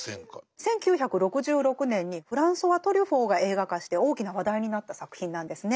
１９６６年にフランソワ・トリュフォーが映画化して大きな話題になった作品なんですね。